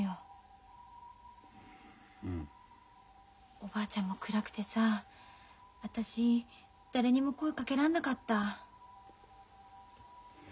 おばあちゃんも暗くてさ私誰にも声かけらんなかった。